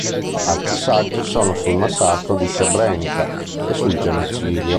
Altri saggi sono sul massacro di Srebrenica e sul genocidio.